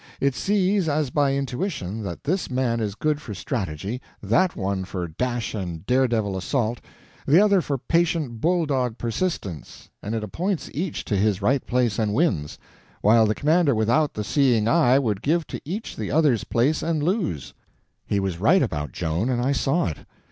It sees as by intuition that this man is good for strategy, that one for dash and daredevil assault, the other for patient bulldog persistence, and it appoints each to his right place and wins, while the commander without the seeing eye would give to each the other's place and lose. He was right about Joan, and I saw it.